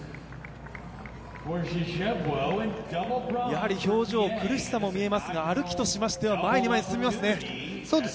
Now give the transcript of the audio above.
やはり表情、苦しさも見えますが歩きとしましては前へ前へ進みますね。